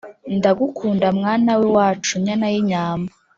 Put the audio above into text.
Ndagukunda mwana w’iwacu nyana y’inyambo